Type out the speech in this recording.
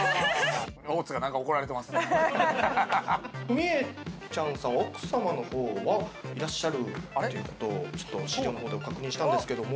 みえちゃんさんは奥様の方はいらっしゃるっていう事をちょっと資料の方では確認したんですけども。